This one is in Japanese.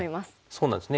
そうなんですね